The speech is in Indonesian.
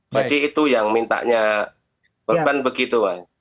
jadi itu yang mintanya korban begitu